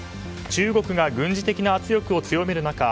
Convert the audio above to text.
中国が軍事的な圧力を強める中